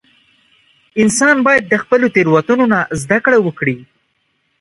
• انسان باید د خپلو تېروتنو نه زده کړه وکړي.